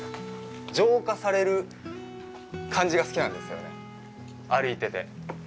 浄化される感じが好きなんですよね、歩いてて。